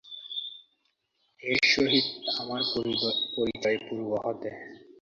এঁর সহিত আমার পরিচয় পূর্ব হতে।